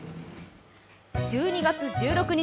１２月１６日